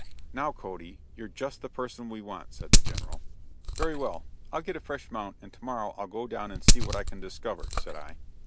"Now, Cody, you're just the person we want," said the General. "Very well, I'll get a fresh mount, and to morrow I'll go down and see what I can discover," said I.